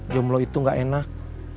jomblo itu gak enak